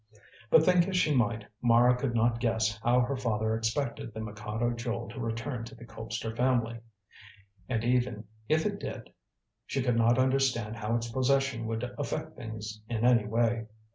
But think as she might, Mara could not guess how her father expected the Mikado Jewel to return to the Colpster family. And even if it did, she could not understand how its possession would affect things in any way.